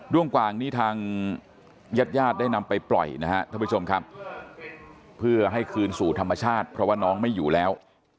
้วงกวางนี้ทางญาติญาติได้นำไปปล่อยนะฮะท่านผู้ชมครับเพื่อให้คืนสู่ธรรมชาติเพราะว่าน้องไม่อยู่แล้ว